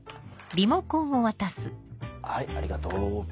はいありがとう。